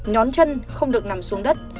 nhón chân không được nằm xuống đất